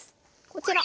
こちら。